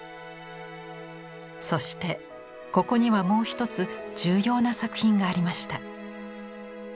そしてここにはもう一つ重要な作品がありました。